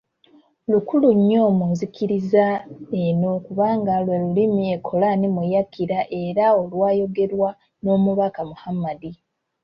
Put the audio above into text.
Lukulu nnyo mu nzikiriza eno kubanga lwe lulimi ekkolaani mwe yakkira era olwayogerwa n'omubaka Mohammed.